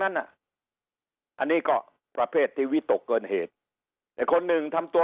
นั้นอ่ะอันนี้ก็ประเภทที่วิตกเกินเหตุแต่คนหนึ่งทำตัว